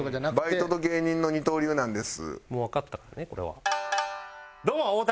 バイトと芸人の二刀流なんです。